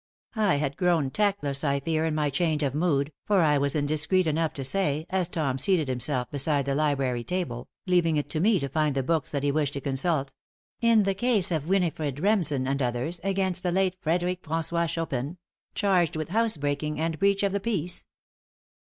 I had grown tactless, I fear, in my change of mood, for I was indiscreet enough to say, as Tom seated himself beside the library table, leaving it to me to find the books that he wished to consult; "In the case of Winifred Remsen and others, against the late Frederic François Chopin, charged with house breaking and breach of the peace."